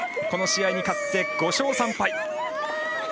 この試合に勝って５勝３敗。